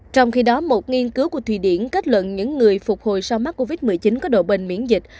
trong khi đó một nghiên cứu của thụy điển kết luận những người phục hồi sau mắc covid một mươi chín có độ bền miễn dịch